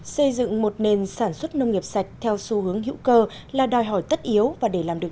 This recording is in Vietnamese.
xây dựng một nền sản xuất nông nghiệp sạch theo xu hướng hữu cơ là đòi hỏi tất yếu và để làm được